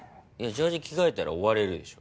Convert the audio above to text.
ジャージー着替えたら終われるでしょ。